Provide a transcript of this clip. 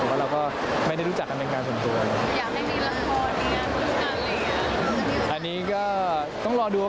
แต่ว่าเราก็ไม่ได้รู้จักกันเป็นการส่วนตัว